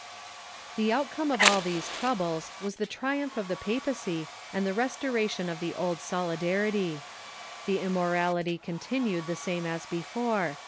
The outcome of all these troubles was the triumph of the papacy and the restoration of the old solidarity. The immo rality continued the same as before.